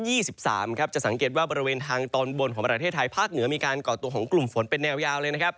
จะสังเกตว่าบริเวณทางตอนบนของประเทศไทยภาคเหนือมีการก่อตัวของกลุ่มฝนเป็นแนวยาวเลยนะครับ